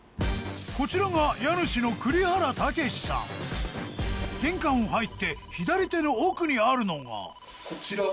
こちらが家主の玄関を入って左手の奥にあるのがこちらは。